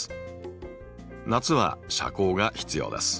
夏は遮光が必要です。